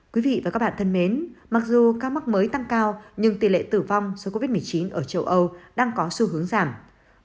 quý vị và các bạn thân mến mặc dù ca mắc mới tăng cao nhưng tỷ lệ tử vong do covid một mươi chín ở châu âu đang có xu hướng giảm